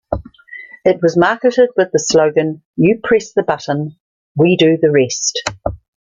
It was marketed with the slogan You press the button, we do the rest.